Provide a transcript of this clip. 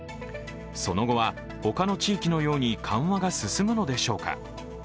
その後は他の地域のように緩和が進むのでしょうか。